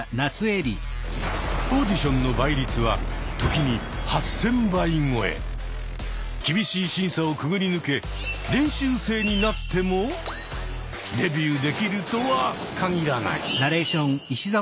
オーディションの倍率は時に厳しい審査をくぐり抜け練習生になってもデビューできるとは限らない。